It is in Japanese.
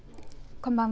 こんばんは。